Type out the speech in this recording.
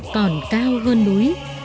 còn cao hơn núi